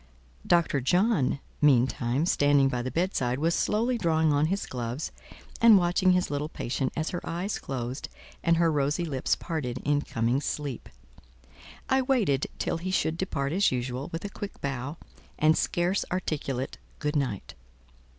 Dr. John, meantime, standing by the bed side, was slowly drawing on his gloves and watching his little patient, as her eyes closed and her rosy lips parted in coming sleep. I waited till he should depart as usual, with a quick bow and scarce articulate "good night.".